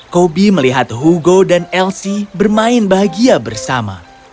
kobi melihat hugo dan elsie bermain bahagia bersama